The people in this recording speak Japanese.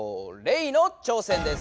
レイの挑戦です。